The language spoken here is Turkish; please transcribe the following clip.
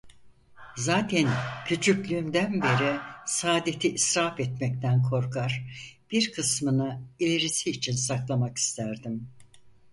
Zaten küçüklüğümden beri saadeti israf etmekten korkar, bir kısmını ilerisi için saklamak isterdim.